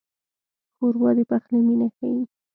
ښوروا د پخلي مینه ښيي.